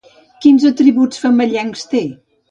Quins atributs femellencs té?